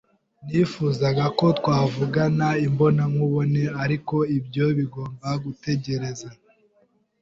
Nifuzaga ko twavugana imbonankubone, ariko ibyo bigomba gutegereza.